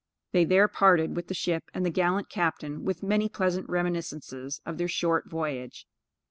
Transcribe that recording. They there parted with the ship and the gallant captain, with many pleasant reminiscences of their short voyage.